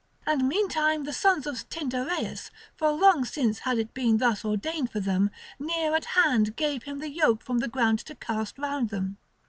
And meantime the sons of Tyndareus for long since had it been thus ordained for them—near at hand gave him the yoke from the ground to cast round them.